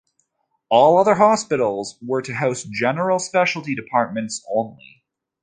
All other hospitals were to house general specialty departments only.